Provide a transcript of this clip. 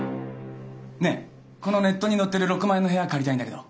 ねっこのネットに載ってる６万円の部屋借りたいんだけど。